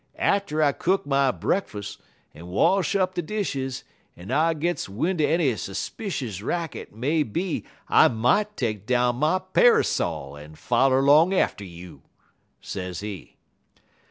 'Atter I cook my brekkus en wash up de dishes, ef I gits win' er any 'spicious racket may be I mought take down my pairsol en foller long atter you,' sezee.